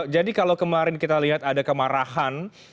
jadi kalau kemarin kita lihat ada kemarahan